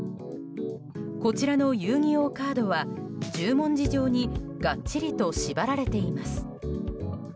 こちらの遊戯王カードは十文字状にがっちりと縛られています。